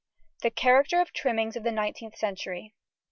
] CHAPTER VIII CHARACTER OF TRIMMINGS OF THE NINETEENTH CENTURY.